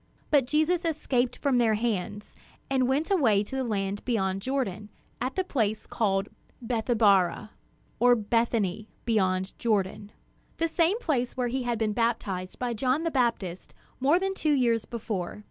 But Jesus escaped from their hands, and went away to the land beyond Jordan, at the place called "Bethabara," or "Bethany beyond Jordan," the same place where he had been baptized by John the Baptist more than two years before.